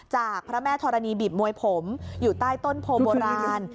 พระแม่ธรณีบีบมวยผมอยู่ใต้ต้นโพโบราณ